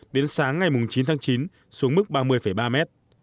đến sáng ngày chín tháng chín xuống mức ba mươi ba mét